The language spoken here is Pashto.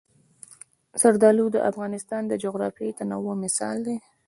زردالو د افغانستان د جغرافیوي تنوع مثال دی.